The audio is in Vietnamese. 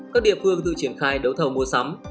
các địa phương thường triển khai đấu thầu mua sắm